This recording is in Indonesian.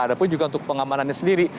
ada pun juga untuk pengamanannya sendiri